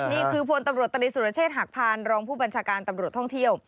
นี่คือพลตำรวจตรีสุรเชษฐหักพานรองผู้บัญชาการตำรวจท่องเที่ยว